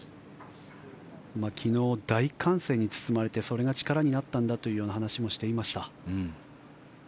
昨日、大歓声に包まれてそれが力になったんだという話もしていました。